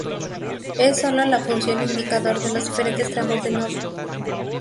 Es sólo la función indicador de los diferentes tramos de nodo.